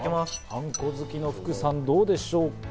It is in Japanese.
あんこ好きの福さん、どうでしょうか？